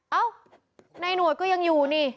เอ้าในหน่วยก็ยังอยู่นี่